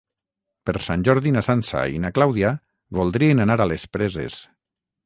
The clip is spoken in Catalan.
Per Sant Jordi na Sança i na Clàudia voldrien anar a les Preses.